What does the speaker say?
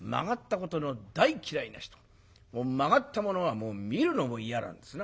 曲がったものは見るのも嫌なんですな。